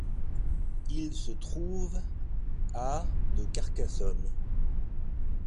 Il se trouve à de Carcassonne.